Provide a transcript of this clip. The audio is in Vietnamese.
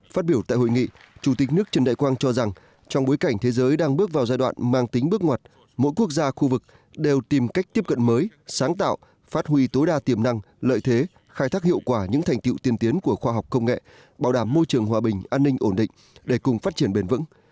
phát biểu tại hội nghị chủ tịch nước trần đại quang cho rằng trong bối cảnh thế giới đang bước vào giai đoạn mang tính bước ngoặt mỗi quốc gia khu vực đều tìm cách tiếp cận mới sáng tạo phát huy tối đa tiềm năng lợi thế khai thác hiệu quả những thành tiệu tiên tiến của khoa học công nghệ bảo đảm môi trường hòa bình an ninh ổn định để cùng phát triển bền vững